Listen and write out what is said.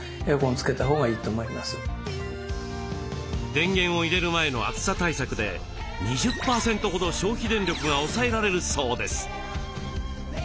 電源を入れる前の暑さ対策で２０％ほど消費電力が抑えられるそうです。